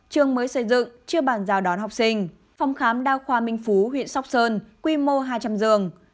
trường mới xây dựng chưa bàn giao đón học sinh phòng khám đa khoa minh phú huyện sóc sơn quy mô hai trăm linh giường